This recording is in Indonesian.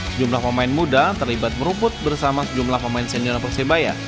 sejumlah pemain muda terlibat meruput bersama sejumlah pemain senior persebaya